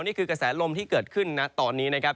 นี่คือกระแสลมที่เกิดขึ้นนะตอนนี้นะครับ